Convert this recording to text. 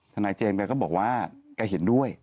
นายเจมสแกก็บอกว่าแกเห็นด้วย